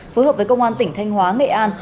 phối hợp với công an tỉnh thanh hóa nghệ an